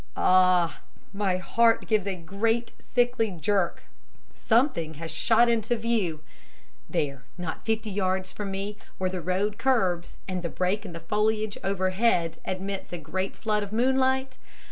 Ah! my heart gives a great sickly jerk. Something has shot into view. There, not fifty yards from me, where the road curves, and the break in the foliage overhead admits a great flood of moonlight.